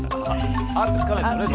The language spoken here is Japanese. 「あっ！」って付かないですもんね